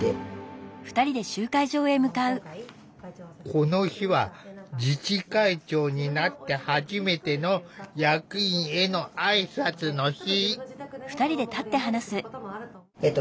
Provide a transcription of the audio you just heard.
この日は自治会長になって初めての役員へのあいさつの日。